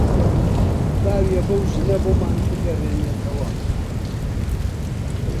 داویە بەو ژنە بۆمان بگەڕێنێتەوە